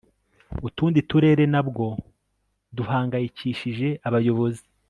utundi turere nabwo duhangayikishije abayobozi